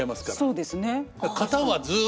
そうですね。